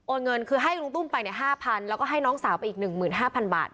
เงินคือให้ลุงตุ้มไป๕๐๐๐แล้วก็ให้น้องสาวไปอีก๑๕๐๐บาท